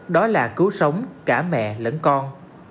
đó là cứu sống cả mẹ lẫn con